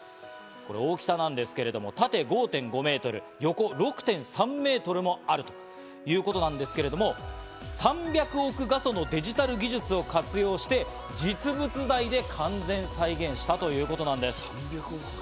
これ大きさなんですけれども、縦５．５メートル、横６．３メートルもあるということなんですけれども、３００億画素のデジタル技術を活用して、実物大で完全再現したということなんです。